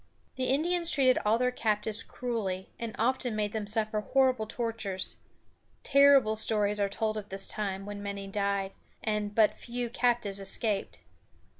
The Indians treated all their captives cruelly, and often made them suffer horrible tortures. Terrible stories are told of this time, when many died, and but few captives escaped.